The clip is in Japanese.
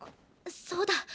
そうだ。